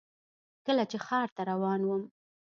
کله چې ښار ته روان وم .